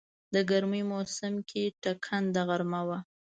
د ګرمی موسم کې ټکنده غرمه وه.